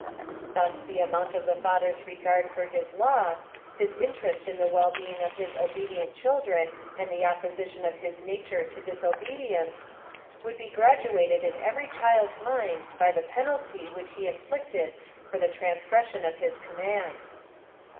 Thus the amount of the father's regard for his law, his interest in the well being of his obodient children and the opposition of his nature PLAN OP SAL/ATlOM. 10b to disobedience, would be graduated in every child's mind by the penalty which he inflicted for the transgression of his commands.